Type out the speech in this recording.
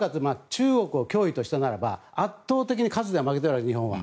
中国を脅威としたならば圧倒的に数では負けているわけです、日本は。